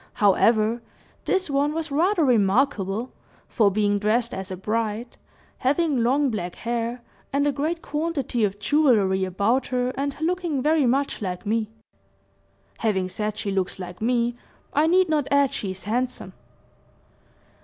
However, this one was rather remarkable, for being dressed as a bride, having long black hair, and a great quantity of jewelry about her, and looking very much like me. Having said she looks like me, I need not add she is handsome."